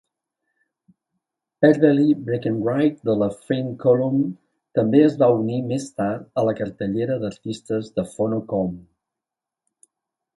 Beverly Breckenridge de la Fifth Column també es va unir més tard a la cartellera d'artistes de Phono-Comb.